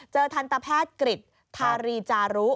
เจอทันตแพทย์กริจทารีจารุ